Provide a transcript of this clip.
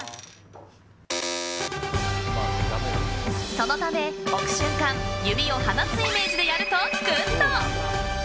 そのため、置く瞬間指を離すイメージでやるとグッド。